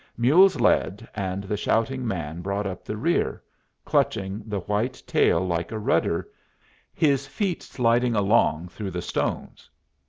Mules led, and the shouting man brought up the rear, clutching the white tail like a rudder, his feet sliding along through the stones.